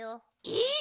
えっ！